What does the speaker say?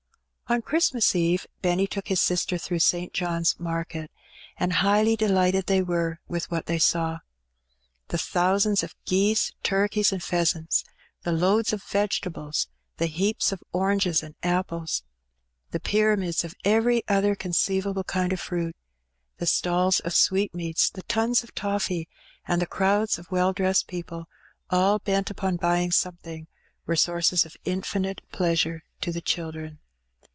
On Christmas Eve Benny took his sister through St. John's Market, and highly delighted they were with what they saw. The thousands of geese, turkeys, and pheasants, the loads of vegetables, the heaps of oranges and apples, the pyramids of every other conceivable kind of fruit, the stalls of sweetmeats, the tons of toffee, and the crowds of well dressed people all bent upon buying something, were sources 9f infinite pleasure to the children.